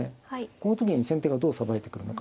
この時に先手がどうさばいてくるのか。